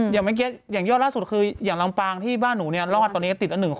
อย่างยอดล่าสุดคืออย่างลำปางที่บ้านหนูเนี่ยรอดตอนนี้ติดละ๑คน